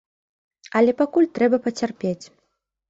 Але пакуль трэба пацярпець.